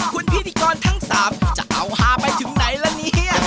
คุณพิธีกรทั้ง๓จะเอาฮาไปถึงไหนละเนี่ย